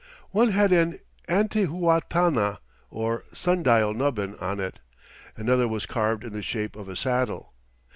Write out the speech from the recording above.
One had an intihuatana, or sundial nubbin, on it; another was carved in the shape of a saddle.